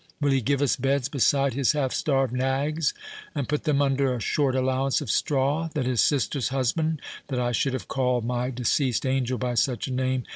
—Will he give us beds beside his half starved nags, and put them under a short allowance of straw, that his sister's husband—that I should have called my deceased angel by such a name!